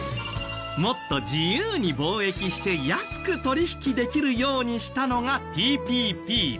もっと自由に貿易して安く取引できるようにしたのがＴＰＰ。